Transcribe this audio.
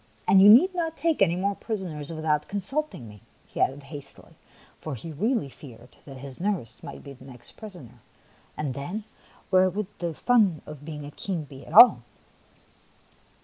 And you need not take any more prisoners without consulting me," he added hastily, for he really feared that his nurse might be the next prisoner, and then, where would be the fun of being a king at all